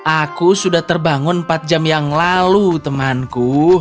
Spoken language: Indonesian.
aku sudah terbangun empat jam yang lalu temanku